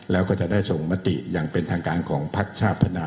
แล้วก็จะได้ส่งมติอย่างเป็นทางการของพักชาติพัฒนา